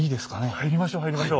入りましょう入りましょう。